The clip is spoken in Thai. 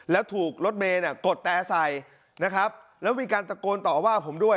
แล้วถูกรถเมย์เนี่ยกดแต่ใส่นะครับแล้วมีการตะโกนต่อว่าผมด้วย